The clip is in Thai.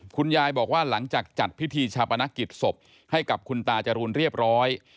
คุณยายบอกว่าหลังจากจัดพิธีชาปนกิจศพให้กับคุณตาจรูนเรียบร้อย